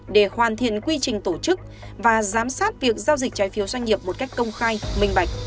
để hoàn thiện quy trình tổ chức và giám sát việc giao dịch trái phiếu doanh nghiệp một cách công khai minh bạch